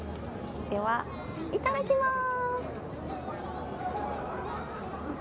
では、いただきます。